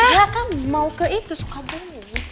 saya kan mau ke itu sukabumi